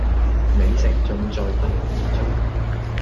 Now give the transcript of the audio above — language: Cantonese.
美食盡在不言中